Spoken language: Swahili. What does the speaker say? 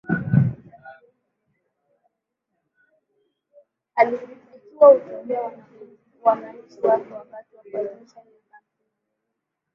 akiwa hutubia wananchi wake wakati wa kuadhimisha miaka hamsini na miwili